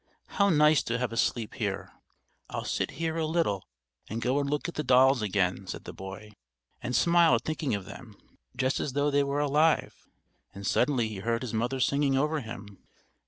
How nice to have a sleep here! "I'll sit here a little and go and look at the dolls again," said the boy, and smiled thinking of them. "Just as though they were alive!..." And suddenly he heard his mother singing over him.